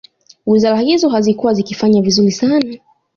Wizara hizo hazikuwa zikifanya vizuri sana